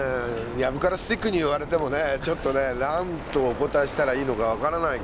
藪からスティックに言われてもねちょっとね何とお答えしたらいいのか分からないけども。